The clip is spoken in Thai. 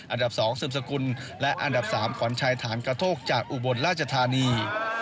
อันดับ๒สืบสกุลและอันดับ๓ขวัญชัยฐานกระโทกจากอุบลราชธานี